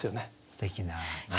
すてきなね。